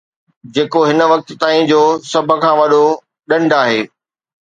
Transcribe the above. جيڪو هن وقت تائين جو سڀ کان وڏو ڏنڊ آهي